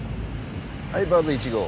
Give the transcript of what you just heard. はいバード１号。